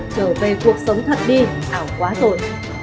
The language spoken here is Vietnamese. trở về cuộc sống thật đi ảo quá rồi